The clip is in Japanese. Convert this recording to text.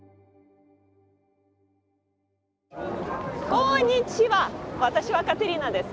こんにちは私はカテリーナです。